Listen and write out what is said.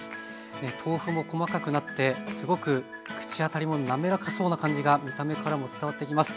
豆腐も細かくなってすごく口当たりもなめらかそうな感じが見た目からも伝わってきます。